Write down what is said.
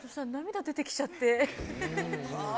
涙出てきちゃって。